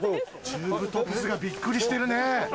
チューブトプスがビックリしてるね。